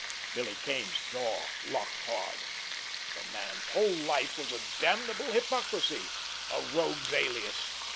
Billy Kane's jaw locked hard. The man's whole life was a damnable hypocrisy—a rogue's alias.